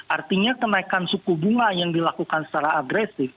artinya kenaikan suku bunga yang dilakukan secara agresif